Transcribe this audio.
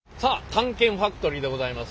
「探検ファクトリー」でございます。